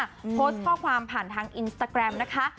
โพสต์ข้อความผ่านทางอินสตาแกรมนะคะ